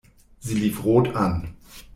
Sie lief rot an.